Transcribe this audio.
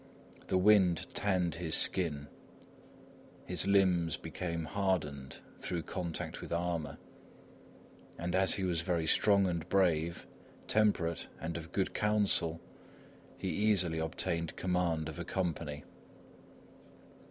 The wind tanned his skin. His limbs became hardened through contact with armour, and as he was very strong and brave, temperate and of good counsel, he easily obtained command of a company.